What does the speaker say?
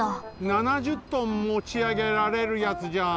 ７０トンもちあげられるやつじゃん！